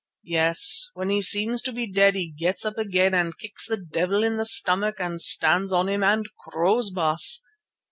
Yes, when he seems to be dead he gets up again and kicks the devil in the stomach and stands on him and crows, Baas.